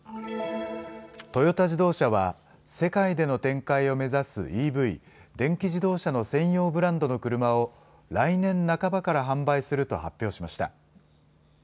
トヨタ自動車は世界での展開を目指すＥＶ・電気自動車の専用ブランドの車を来年半ばから販売すると発表しました。